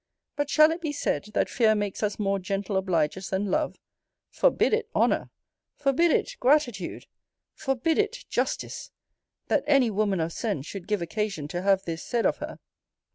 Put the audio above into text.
But shall it be said, that fear makes us more gentle obligers than love? Forbid it, Honour! Forbid it, Gratitude! Forbid it, Justice! that any woman of sense should give occasion to have this said of her!